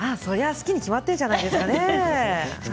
好きに決まっているじゃないですか。